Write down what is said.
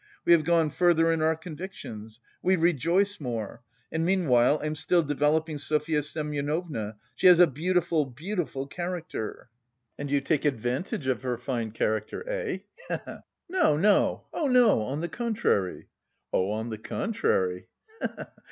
We have gone further in our convictions. We reject more! And meanwhile I'm still developing Sofya Semyonovna. She has a beautiful, beautiful character!" "And you take advantage of her fine character, eh? He he!" "No, no! Oh, no! On the contrary." "Oh, on the contrary!